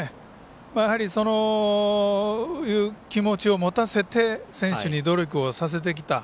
そういう気持ちを持たせて選手に努力をさせてきた。